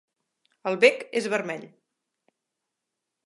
El bec és vermell.